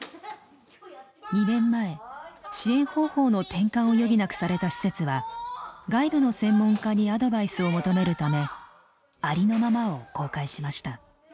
２年前支援方法の転換を余儀なくされた施設は外部の専門家にアドバイスを求めるためありのままを公開しました。